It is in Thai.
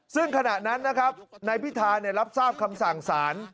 ซึ่งขณะนั้นนะครับนายพิธารับทราบคำสั่งสาร